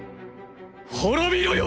滅びろよ！